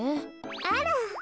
あら。